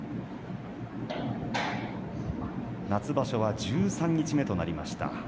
夏場所は十三日目となりました。